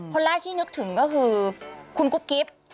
คนแรกที่นึกถึงก็คือคุณกุ๊บกิ๊บ